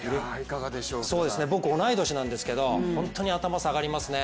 僕同い年なんですけれども本当に頭が下がりますね。